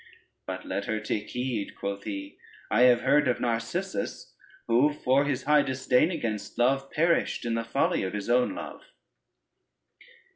But let her take heed," quoth he, "I have heard of Narcissus, who for his high disdain against Love, perished in the folly of his own love."